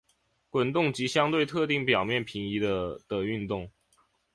滚动及相对特定表面平移的的运动。